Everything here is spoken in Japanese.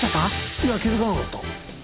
いや気付かなかった。